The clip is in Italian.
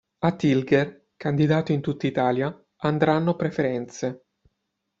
A Tilgher, candidato in tutta Italia, andranno preferenze.